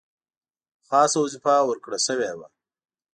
خاصه وظیفه ورکړه شوې وه.